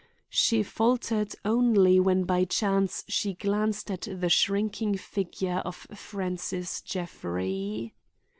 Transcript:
She faltered only when by chance she glanced at the shrinking figure of Francis Jeffrey.